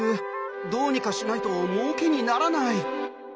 どうにかしないともうけにならない。